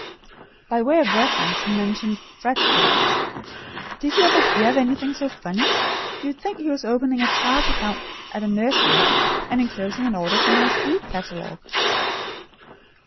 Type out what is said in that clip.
By way of reference he mentioned "Bradstreets." Did you ever hear of anything so funny? You would think he was opening a charge account at a nursery, and inclosing an order from our seed catalogue.